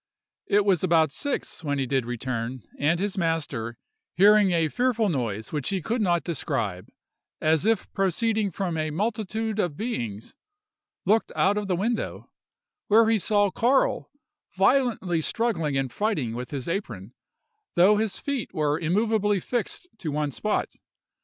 It was about six when he did return; and his master, hearing a fearful noise which he could not describe—"as if proceeding from a multitude of beings"—looked out of the window, where he saw Carl violently struggling and fighting with his apron, though his feet were immoveably fixed to one spot.